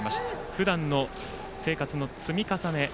ふだんの生活の積み重ね。